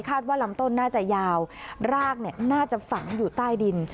ว่าลำต้นน่าจะยาวรากน่าจะฝังอยู่ใต้ดิน